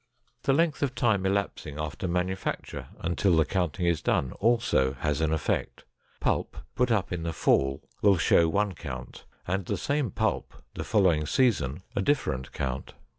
The length of time elapsing after manufacture until the counting is done also has an effect. Pulp put up in the fall will show one count and the same pulp the following season a different count.